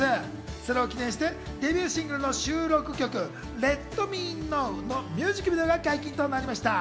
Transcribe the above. それを記念してデビューシングルの収録曲『ＬｅｔＭｅＫｎｏｗ』のミュージックビデオが解禁となりました。